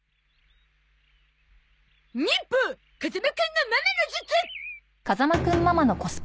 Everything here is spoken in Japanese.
忍法風間くんのママの術！